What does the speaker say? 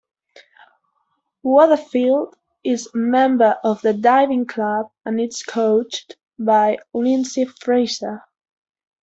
Waterfield is a member of the diving club and is coached by Lindsey Fraser.